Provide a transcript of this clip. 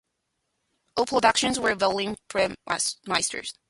All productions were Berlin premieres.